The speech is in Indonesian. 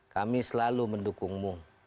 kami selalu mendukungmu